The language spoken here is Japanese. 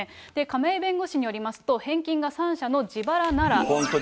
亀井弁護士によりますと、返金が３社の自腹なら。